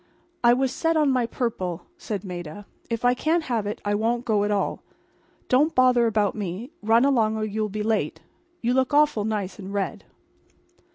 "I was set on my purple," said Maida. "If I can't have it I won't go at all. Don't bother about me. Run along or you'll be late. You look awful nice in red."